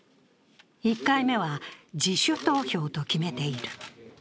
１回目は自主投票と決めている。